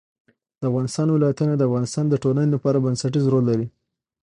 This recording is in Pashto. د افغانستان ولايتونه د افغانستان د ټولنې لپاره بنسټيز رول لري.